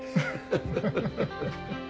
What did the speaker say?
ハハハハ。